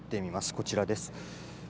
こちらです。